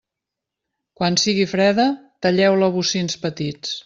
Quan sigui freda, talleu-la a bocins petits.